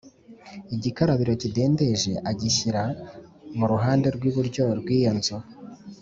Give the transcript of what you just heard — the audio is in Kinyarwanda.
Igikarabiro kidendeje agishyira mu ruhande rw’iburyo rw’iyo nzu